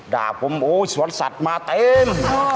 ด่าผมโอ๊ยสวรรค์สัตว์มาเต็ม